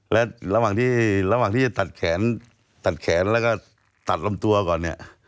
และระหว่างที่ตัดแขนแล้วก็ตัดลำตัวก่อนเนี่ย